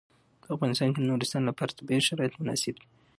په افغانستان کې د نورستان لپاره طبیعي شرایط مناسب دي.